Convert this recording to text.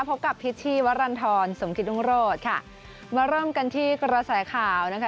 พบกับพิชชีวรรณฑรสมกิตรุงโรศค่ะมาเริ่มกันที่กระแสข่าวนะคะ